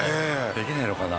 できないのかな？